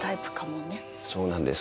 そうなんです